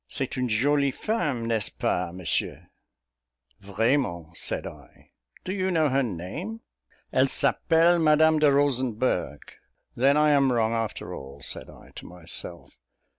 "C'est une jolie femme, n'est ce pas, monsieur?" "Vraiment" said I. "Do you know her name?" "Elle s'appelle Madame de Rosenberg." "Then I am wrong, after all," said I to myself.